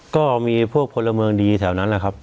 ก็มีพวกพลเมืองดีแถวนั้นแหละครับ